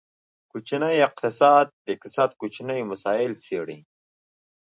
کوچنی اقتصاد، د اقتصاد کوچني مسایل څیړي.